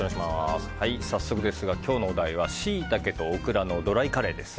早速ですが、今日のお題はシイタケとオクラのドライカレーです。